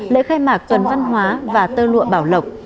lễ khai mạc tuần văn hóa và tơ lụa bảo lộc